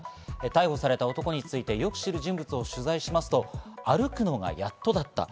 逮捕された男についてよく知る人物を取材しますと、歩くのがやっとだった。